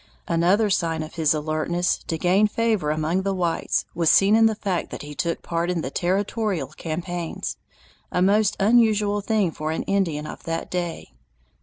Another sign of his alertness to gain favor among the whites was seen in the fact that he took part in the territorial campaigns, a most unusual thing for an Indian of that day.